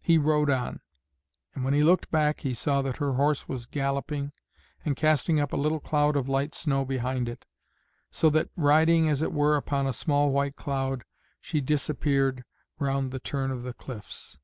He rode on, and when he looked back he saw that her horse was galloping and casting up a little cloud of light snow behind it, so that, riding as it were upon a small white cloud, she disappeared round the turn of the cliffs.